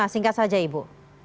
singkat saja ibu